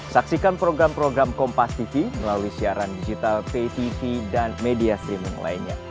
saksikan program program kompas tv melalui siaran digital pay tv dan media streaming lainnya